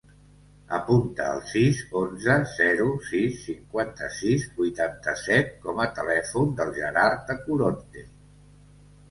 Apunta el sis, onze, zero, sis, cinquanta-sis, vuitanta-set com a telèfon del Gerard Tacoronte.